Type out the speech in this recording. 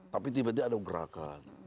tapi tiba tiba ada gerakan